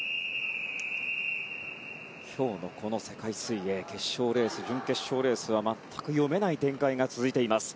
今日の世界水泳決勝レース準決勝レースは全く読めない展開が続いています。